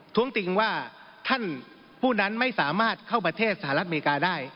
้วงติงว่าท่านผู้นั้นไม่สามารถเข้าประเทศสหรัฐอเมริกาได้